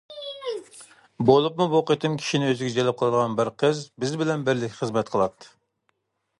بولۇپمۇ، بۇ قېتىم كىشىنى ئۆزىگە جەلپ قىلىدىغان بىر قىز بىز بىلەن بىرلىكتە خىزمەت قىلاتتى.